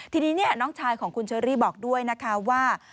ทีนี้น้องชายของคุณเชอรี่บอกด้วยนะคะว่า